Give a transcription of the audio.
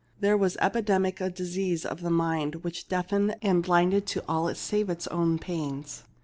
There was epidemic a dis ease of the mind which deafened and blinded to all save its own pains.